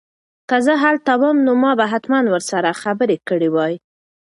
که زه هلته وم نو ما به حتماً ورسره خبرې کړې وای.